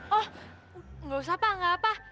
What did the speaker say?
oh nggak usah pak nggak apa